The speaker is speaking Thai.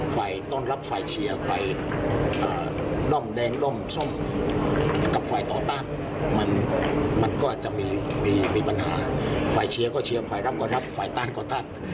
ฝ่ายเชียร์ก็เชียร์ฝ่ายรับก็รับฝ่ายต้านก็ต้าน